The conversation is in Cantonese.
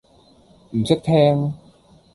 唔識聽